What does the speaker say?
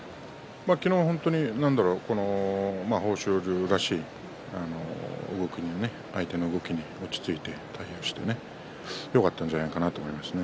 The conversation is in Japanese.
昨日は本当に豊昇龍らしい相手の動きに落ち着いて対応してよかったんじゃないかなと思いますね。